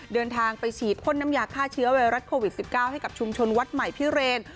เดินทางไปฉีดพ่นน้ำยาฆ่าเชื้อไวรัสโควิด๑๙ให้กับชุมชนวัดใหม่พิเรน